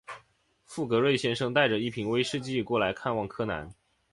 富格瑞先生带着一瓶威士忌过来看望柯南。